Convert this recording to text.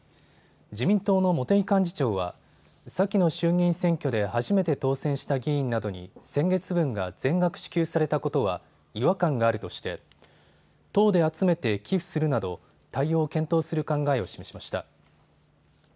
自民党の茂木幹事長は先の衆議院選挙で初めて当選した議員などに先月分が全額支給されたことは違和感があるとして党で集めて寄付するなど対応を検討する考えを示しました。